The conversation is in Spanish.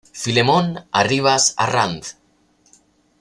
Filemón Arribas Arranz.